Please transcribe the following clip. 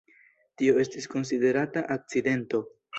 Tio estis konsiderata akcidento.